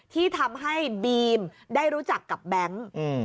ที่ทำให้บีมได้รู้จักกับแบงค์